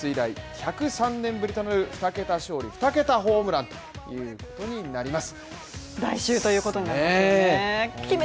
１０３年ぶりとなる２桁勝利２桁ホームランということになります。